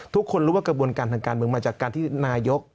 ทุกคนรู้ว่ากระบวนการทางการเมืองมาจากการที่นายก